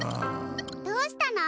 どうしたの？